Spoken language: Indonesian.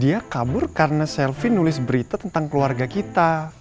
dia kabur karena selvin nulis berita tentang keluarga kita